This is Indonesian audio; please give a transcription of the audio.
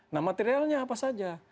nah materialnya apa saja